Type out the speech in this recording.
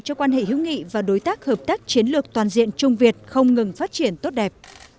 cho quan hệ hữu nghị và đối tác hợp tác chiến lược toàn diện trung việt không ngừng phát triển tốt đẹp